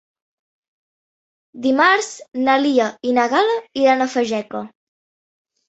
Dimarts na Lia i na Gal·la iran a Fageca.